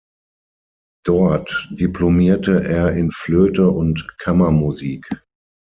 Dort diplomierte er in Flöte und Kammermusik.